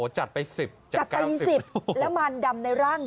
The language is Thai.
จัดไป๑๐และมันดำในร่าง